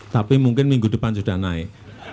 tapi mungkin minggu depan sudah naik